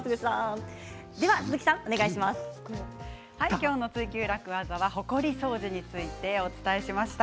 今日の「ツイＱ楽ワザ」はほこり掃除についてお伝えしました。